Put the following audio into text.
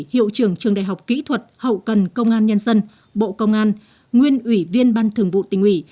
hiệu trưởng trường đại học kỹ thuật hậu cần công an nhân dân bộ công an nguyên ủy viên ban thường vụ tỉnh ủy